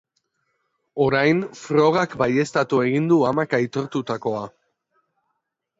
Orain, frogak baieztatu egin du amak aitortutakoa.